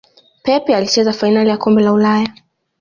pep alicheza fainali ya kombe la ulaya